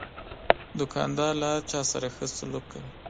دوکاندار له هر چا سره ښه سلوک کوي.